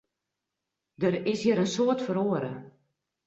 Der is hjir in soad feroare.